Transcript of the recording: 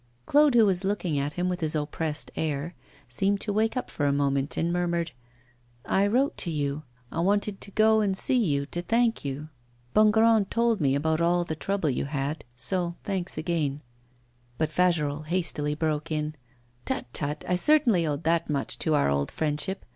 Claude, who was looking at him with his oppressed air, seemed to wake up for a moment, and murmured: 'I wrote to you; I wanted to go and see you to thank you. Bongrand told me about all the trouble you had. So thanks again.' But Fagerolles hastily broke in: 'Tut, tut! I certainly owed that much to our old friendship.